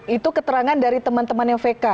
itu keterangan dari teman teman yang vk